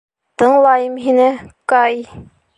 Тыңлайым һине, Кай.